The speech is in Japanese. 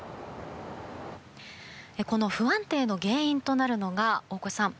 この不安定の原因となるのが大越さん